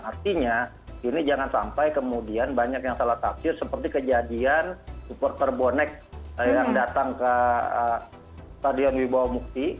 artinya ini jangan sampai kemudian banyak yang salah tafsir seperti kejadian supporter bonek yang datang ke stadion wibawa mukti